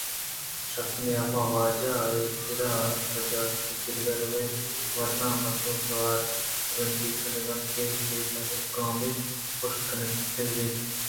شپ ءِ نیم ءَ واجہ ءِکِرّا پہ اجازت گرگ ءَ روئے؟ ورناہیں مرد ءِ توار ءِ ترٛندی انگت ءَ گیش بوت ءُیک گامے پُشت ءَ کنزاِت